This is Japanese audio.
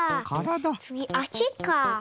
つぎあしか。